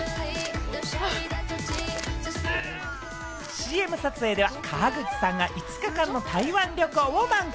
ＣＭ撮影では川口さんが５日間の台湾旅行を満喫。